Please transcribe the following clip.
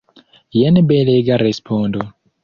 Jen belega respondo!